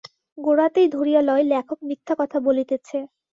গোড়াতেই ধরিয়া লয় লেখক মিথ্যা কথা বলিতেছে।